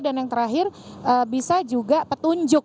dan yang terakhir bisa juga petunjuk